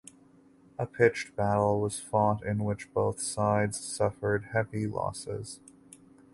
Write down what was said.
A pitched battle was fought in which both sides suffered heavy losses.